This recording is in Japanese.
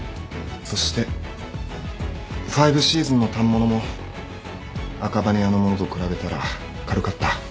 そしてファイブシーズンの反物も赤羽屋のものと比べたら軽かった。